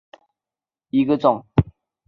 光叶巴豆为大戟科巴豆属下的一个种。